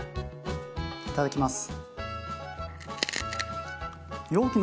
いただきます。